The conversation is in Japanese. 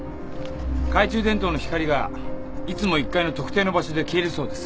懐中電灯の光がいつも１階の特定の場所で消えるそうです。